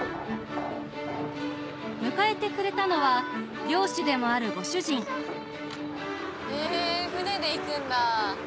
迎えてくれたのは漁師でもあるご主人え船で行くんだ。